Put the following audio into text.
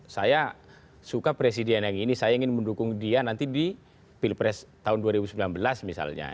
saya suka presiden yang ini saya ingin mendukung dia nanti di pilpres tahun dua ribu sembilan belas misalnya